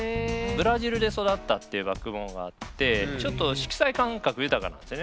ブラジルで育ったっていうバックボーンがあってちょっと色彩感覚豊かなんですよね。